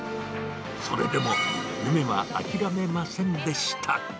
それでも、夢は諦めませんでした。